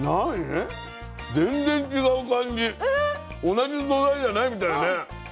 ⁉同じ素材じゃないみたいね。